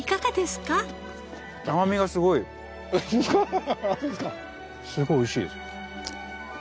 すごいおいしいです。